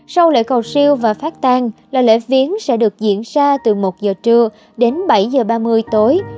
sau lễ cầu siêu và phát tan là lễ viếng sẽ được diễn ra từ một giờ trưa đến bảy h ba mươi tối